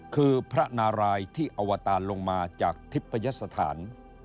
คือพระนารายที่อวตารลงมาจากทิพยสถาน